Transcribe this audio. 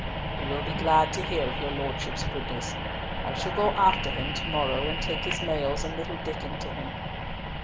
"He will be glad to hear of your Lordship's goodness. I shall go after him to morrow and take his mails and little Diccon to him."